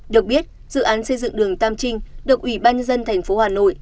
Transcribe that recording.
được biết dự án xây dựng đường tam trinh được ủy ban nhân dân tp hà nội